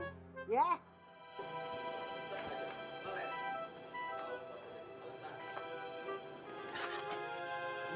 pak kau kamu harus berhenti